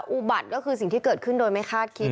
อุบัติก็คือสิ่งที่เกิดขึ้นโดยไม่คาดคิด